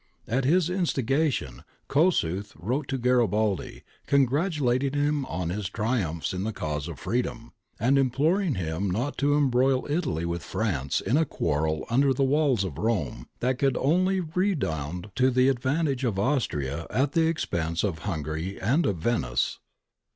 At his instigation Kossuth wrote to Garibaldi, congratu lating him on his triumphs in the cause of freedom, and imploring him not to embroil Italy with France in a quarrel under the walls of Rome, that could only redound to the advantage of Austria at the expense of Hungary and of Venice.